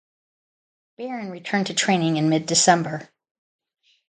Barron returned to training in mid-December.